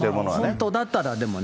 本当だったら、でもね。